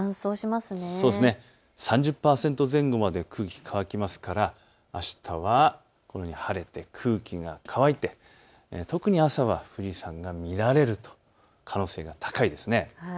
３０％前後まで空気乾きますからあしたはこのように晴れて空気が乾いて特に朝は富士山が見られる可能性が高いです。